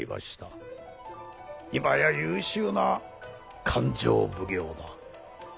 今や優秀な勘定奉行だ。